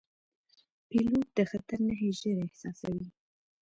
پیلوټ د خطر نښې ژر احساسوي.